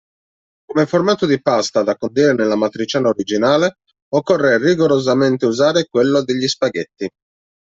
Come formato di pasta da condire nell'amatriciana originale, occorre rigorosamente usare quello degli spaghetti.